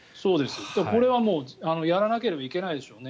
これはやらなければいけないでしょうね。